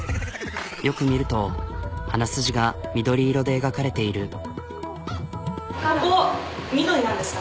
よく見ると鼻筋が緑色で描かれている。